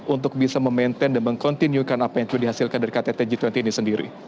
untuk bisa memaintain dan meng continuekan apa yang sudah dihasilkan dari ktt g dua puluh ini sendiri